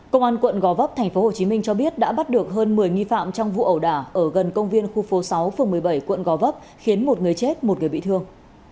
công an quận gò vấp tp hcm cho biết đã bắt được hơn một mươi nghi phạm trong vụ ẩu đả ở gần công viên khu phố sáu phường một mươi bảy quận gò vấp khiến một người chết một người bị thương